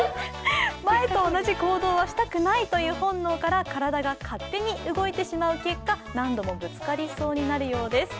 前と同じ行動はしたくないという本能から勝手に動いてしまう結果何度もぶつかりそうになるそうなんです。